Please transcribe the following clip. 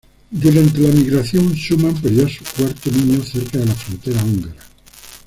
Durante la migración, Suman perdió su cuarto niño cerca de la frontera húngara.